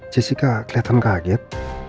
jessica kelihatan kaget